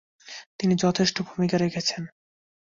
তিনি যথেষ্ট ভূমিকা রেখেছেন।